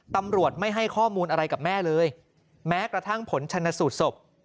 ตำรวจไม่ให้ข้อมูลอะไรกับแม่เลยแม้กระทั่งผลชนสูตรศพ